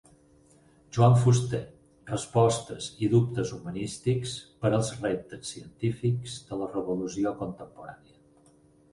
Joan Fuster: respostes i dubtes humanístics per als reptes científics de la revolució contemporània